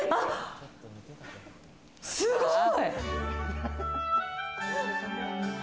すごい！